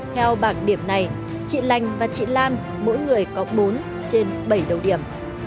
theo bảng điểm này chị lành và chị lan mỗi người có bốn trên bảy đầu điểm